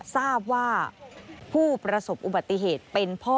ทราบว่าผู้ประสบอุบัติเหตุเป็นพ่อ